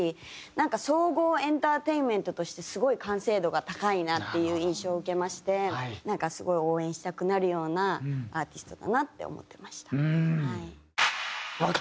なんか総合エンターテインメントとしてすごい完成度が高いなっていう印象を受けましてなんかすごい応援したくなるようなアーティストだなって思ってました。